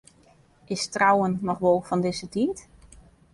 Is trouwen noch wol fan dizze tiid?